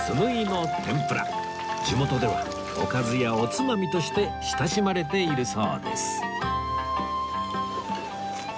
地元ではおかずやおつまみとして親しまれているそうです